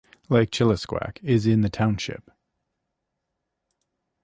Lake Chillisquaque is in the township.